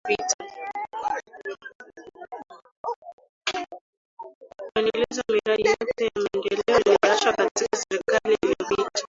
Kuendeleza miradi yote ya maendeleo ilioachwa katika serikali iliyopita